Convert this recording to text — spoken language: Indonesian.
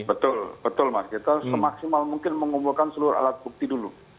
betul betul mas kita semaksimal mungkin mengumpulkan seluruh alat bukti dulu